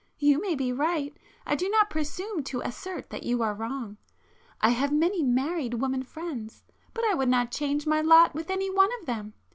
You may be right. I do not presume to assert that you are wrong. I have many married women friends—but I would not change my lot with any one of them.